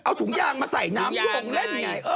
เอาถุงยางมาใส่น้ำที่ลงเล่นไง